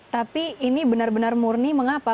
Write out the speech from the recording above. tapi ini benar benar murni mengapa